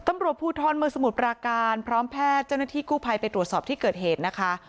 ตำรวจภูทรเมืองสมุทรปราการพร้อมแพทย์เจ้าหน้าที่กู้ภัยไปตรวจสอบที่เกิดเหตุนะคะ